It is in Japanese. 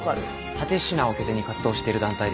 蓼科を拠点に活動している団体です。